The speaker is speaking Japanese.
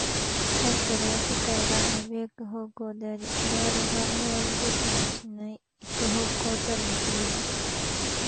しかしそれは世界が亡び行く方向であり、我々が我々自身を失い行く方向たるに過ぎない。